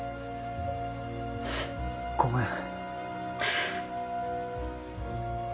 ごめん。